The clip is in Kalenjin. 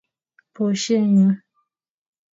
Maposien nyun.